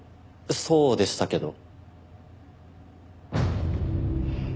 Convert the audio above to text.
そうでしたけど。